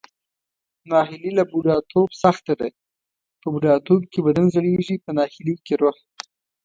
ناهیلي له بوډاتوب سخته ده، په بوډاتوب کې بدن زړیږي پۀ ناهیلۍ کې روح.